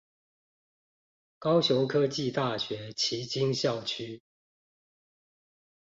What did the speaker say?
高雄科技大學旗津校區